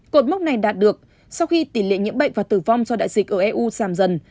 cột mốc này đạt được sau khi tỷ lệ nhiễm bệnh và tử vong do đại dịch ở eu giảm dần